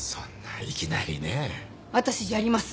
私やります。